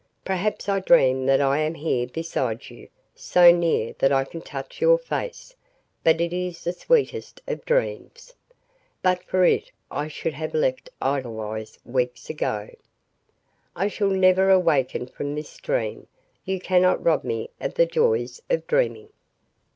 Perhaps I dream that I am here beside you so near that I can touch your face but it is the sweetest of dreams. But for it I should have left Edelweiss weeks ago. I shall never awaken from this dream; you cannot rob me of the joys of dreaming."